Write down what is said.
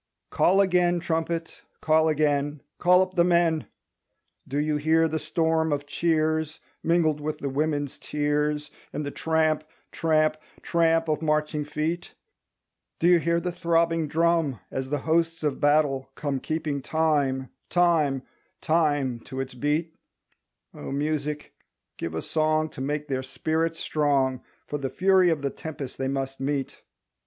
Call again, trumpet, call again, Call up the men! Do you hear the storm of cheers Mingled with the women's tears And the tramp, tramp, tramp of marching feet? Do you hear the throbbing drum As the hosts of battle come Keeping time, time, time to its beat? O Music give a song To make their spirit strong For the fury of the tempest they must meet.